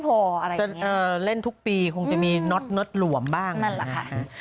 เก่าด้วยอืมจะเล่นทุกปีคงจะมีน็อตหลวมบ้างอืมนั่นแหละค่ะ